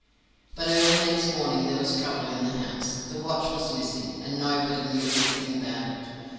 But early next morning there was trouble in the house. The watch was missing, and nobody knew anything about it.